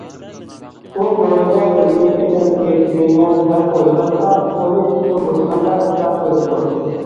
ئۇ كۆڭلىدە ئۆگىنىشكە تەسىر يەتكۈزمەيمەن، دەپ ئويلىغاچقا، قولى ئىشتىن بوشىغاندا كىتاب كۆرۈپتۇ.